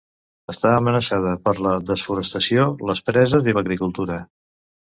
Està amenaçada per la desforestació, les preses i l'agricultura.